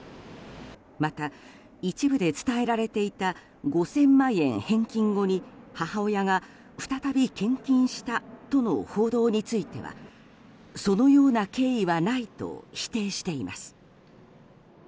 また、一部で伝えられていた５０００万円返金後に母親が再び献金したとの報道についてはそのような経緯はないと否定しています。